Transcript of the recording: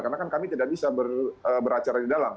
karena kan kami tidak bisa beracara di dalam